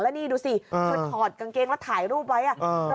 แล้วนี่ดูสิเธอถอดกางเกงแล้วถ่ายรูปไว้